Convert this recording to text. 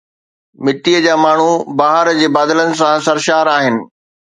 مٽيءَ جا ماڻهو بهار جي بادلن سان سرشار آهن